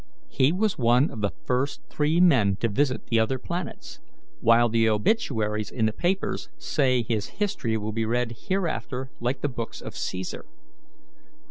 He was one of the first three men to visit the other planets, while the obituaries in the papers say his history will be read hereafter like the books of Caesar.